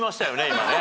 今ね。